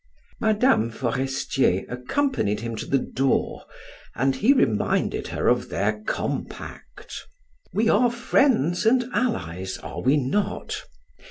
Mme. Forestier accompanied him to the door and he reminded her of their compact. "We are friends and allies, are we not?